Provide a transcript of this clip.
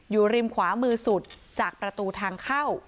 อยู่ริมขวามือสุดจากประตูทางเข้า